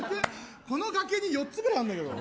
この崖に４つくらいあんだけど。